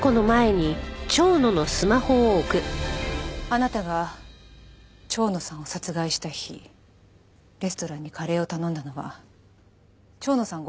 あなたが蝶野さんを殺害した日レストランにカレーを頼んだのは蝶野さん